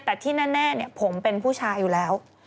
แต่ที่แน่ผมเป็นผู้ชายอยู่แล้ว